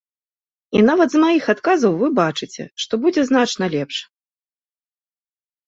І нават з маіх адказаў вы бачыце, што будзе значна лепш.